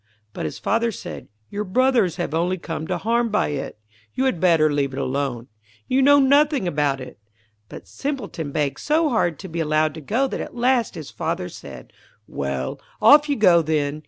But his father said, 'Your brothers have only come to harm by it; you had better leave it alone. You know nothing about it.' But Simpleton begged so hard to be allowed to go that at last his father said, 'Well, off you go then.